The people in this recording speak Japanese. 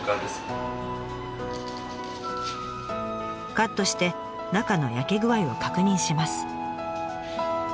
カットして中の焼け具合を確認します。